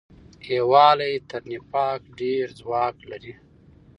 یووالی تر نفاق ډېر ځواک لري.